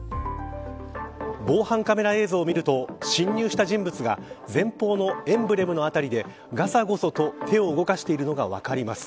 防犯カメラ映像を見ると侵入した人物が前方のエンブレムの辺りでがさごそと手を動かしているのが分かります。